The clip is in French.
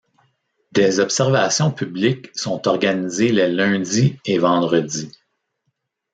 Des observations publiques sont organisées les lundis et vendredis.